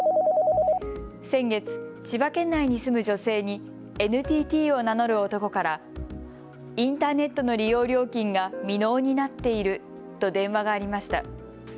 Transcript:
先月、千葉県内に住む女性にＮＴＴを名乗る男からインターネットの利用料金が未納になっていると電話がありました。